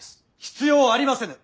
必要ありませぬ。